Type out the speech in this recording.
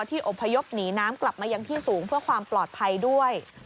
อบพยพหนีน้ำกลับมายังที่สูงเพื่อความปลอดภัยด้วย